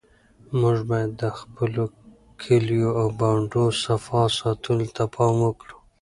موږ باید د خپلو کلیو او بانډو صفا ساتلو ته پام وکړو.